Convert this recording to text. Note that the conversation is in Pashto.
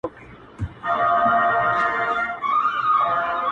فاصله مو ده له مځکي تر تر اسمانه٫